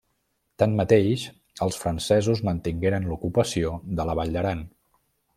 Tanmateix, els francesos mantingueren l'ocupació de la Vall d'Aran.